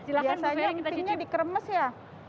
ini rasanya mpingnya dikeremes ya